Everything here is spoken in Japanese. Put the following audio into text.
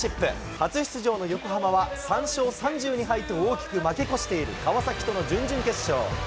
初出場の横浜は、３勝３２敗と大きく負け越している川崎との準々決勝。